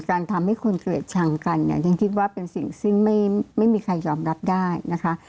การทำให้คนเกลียดชังกันเนี่ยยังคิดว่าเป็นสิ่งซึ่งไม่มีใครยอมรับได้นะคะ